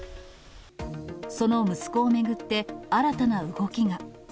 その息子を巡って、新たな動きが。